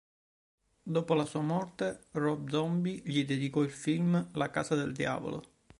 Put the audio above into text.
Dopo la sua morte, Rob Zombie gli dedicò il film "La casa del diavolo".